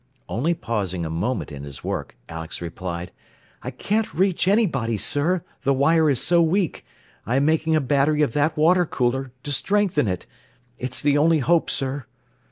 Only pausing a moment in his work, Alex replied: "I can't reach anybody, sir, the wire is so weak. I am making a battery of that water cooler, to strengthen it. It's the only hope, sir."